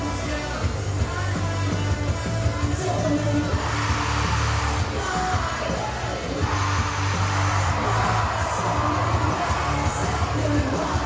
มีอุปกรณ์แค่นี้นะครับ